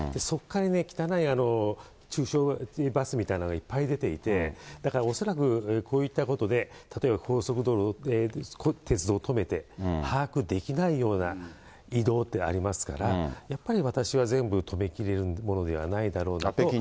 そこから汚い中小バスみたいなのがいっぱい出てて、だから恐らく、こういったことで例えば高速道路、鉄道を止めて把握できないような移動ってありますから、やっぱり私は全部止めきれるものではないだろうなと。